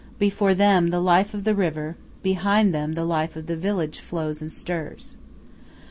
Before them the life of the river, behind them the life of the village flows and stirs.